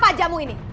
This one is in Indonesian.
buat apa jamu ini